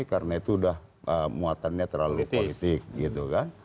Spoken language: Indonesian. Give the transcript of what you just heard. karena itu udah muatannya terlalu politik gitu kan